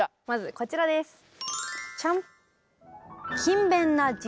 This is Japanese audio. まずこちらです。